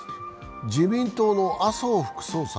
自民党の麻生副総裁